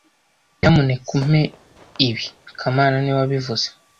Nyamuneka umpe ibi kamana niwe wabivuze